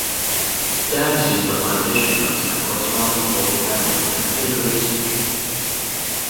Dabbs used the plantation notes and correspondence of local families to complete her research.